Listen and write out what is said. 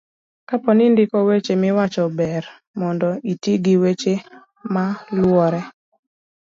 kapo ni indiko weche miwacho ber mondo iti gi weche maluwore